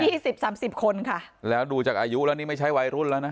สิบสามสิบคนค่ะแล้วดูจากอายุแล้วนี่ไม่ใช่วัยรุ่นแล้วนะ